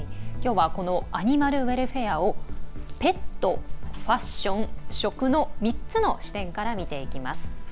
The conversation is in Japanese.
きょうはアニマルウェルフェアをペット、ファッション、食の３つの視点から見ていきます。